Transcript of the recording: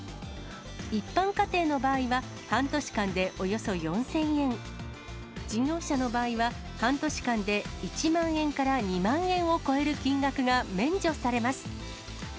一般家庭の場合は、半年間でおよそ４０００円、事業者の場合は、半年間で１万円から２万円を超える金額が免除されます。